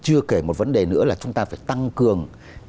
chưa kể một vấn đề nữa là chúng ta phải tăng cường